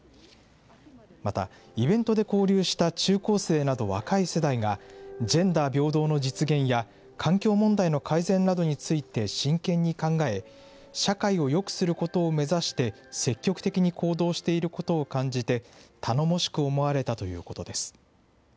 また、イベントで交流した中高生など、若い世代が、ジェンダー平等への実現や環境問題の改善などについて真剣に考え、社会をよくすることを目指して、積極的に行動していることを感じて、頼もしく思われたということです。